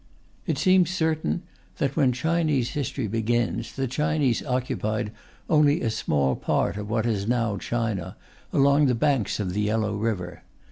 It seems certain that, when Chinese history begins, the Chinese occupied only a small part of what is now China, along the banks of the Yellow River.